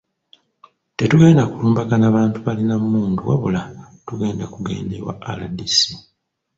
Tetugenda kulumbagana bantu balina mmundu wabula tugenda kugenda ewa RDC